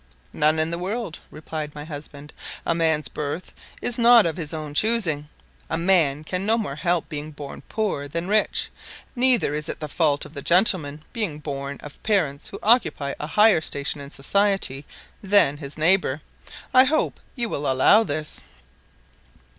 "None in the world," replied my husband; "a man's birth is not of his own choosing. A man can no more help being born poor than rich; neither is it the fault of a gentleman being born of parents who occupy a higher station in society than his neighbour. I hope you will allow this?"